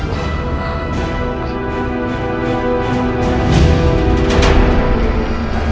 mbah saya ingin lebih kaya lagi mbah